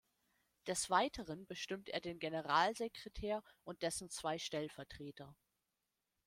Des Weiteren bestimmt er den Generalsekretär und dessen zwei Stellvertreter.